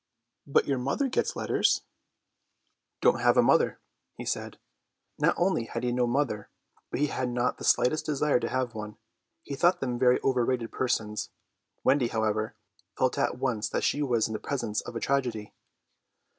"But your mother gets letters?" "Don't have a mother," he said. Not only had he no mother, but he had not the slightest desire to have one. He thought them very over rated persons. Wendy, however, felt at once that she was in the presence of a tragedy.